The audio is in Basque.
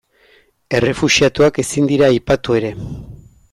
Errefuxiatuak ezin dira aipatu ere.